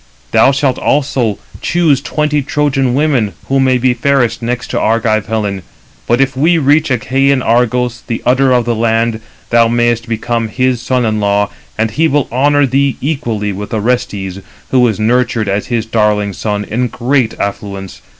Thou shalt also choose twenty Trojan women, who may be fairest next to Argive Helen. But if we reach Achæan Argos, the udder of the land, thou mayest become his son in law, and he will honour thee equally with Orestes, who is nurtured as his darling son, in great affluence.